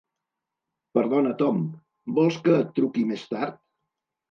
Perdona Tom, vols que et truqui més tard?